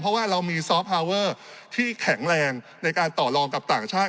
เพราะว่าเรามีซอฟต์พาเวอร์ที่แข็งแรงในการต่อรองกับต่างชาติ